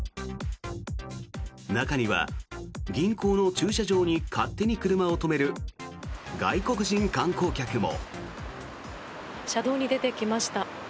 中には、銀行の駐車場に勝手に車を止める外国人観光客も。